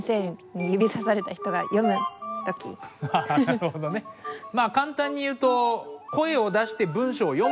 ハハハなるほどね。まあ簡単に言うとどう？